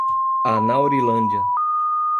Anaurilândia